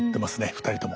２人とも。